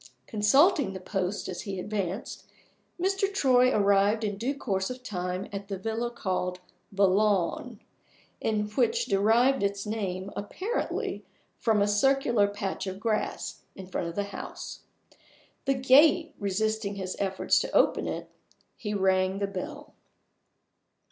Consulting the posts as he advanced, Mr. Troy arrived in due course of time at the villa called The Lawn, which derived its name apparently from a circular patch of grass in front of the house. The gate resisting his efforts to open it, he rang the bell.